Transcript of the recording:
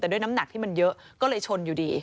แต่ด้วยน้ำหนักที่มันเยอะก็เลยชนอยู่ดี